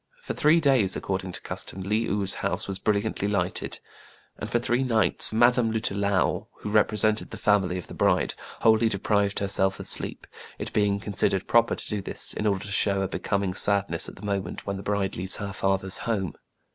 For three days, according to custom, Le ou*s house was brilliantly lighted ; and for three nights Ma dame Lutalou, who represented the family of the bride, wholly deprived herself of sleep, it being considered proper to do this, in order to show a be coming sadness at the moment when the bride leaves her father's home.